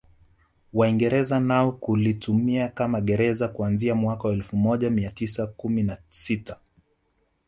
Waingereza nao kulitumia kama gereza kuanzia mwaka elfu moja mia tisa kumi na sita